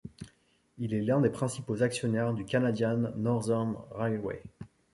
Il est l'un des principaux actionnaires du Canadian Northern Railway.